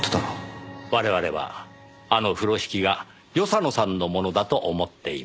我々はあの風呂敷が与謝野さんのものだと思っています。